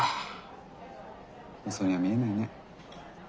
嘘には見えないね。